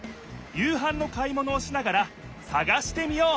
夕はんの買い物をしながらさがしてみよう！